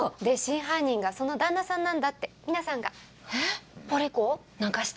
で真犯人がその旦那さんなんだって皆さんが。